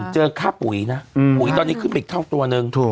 เจอค่าปุ๋ยนะปุ๋ยตอนนี้ขึ้นไปอีกเท่าตัวนึง